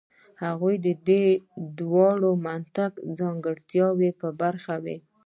هغوی له دې دوو منطقي ځانګړتیاوو برخمن وو.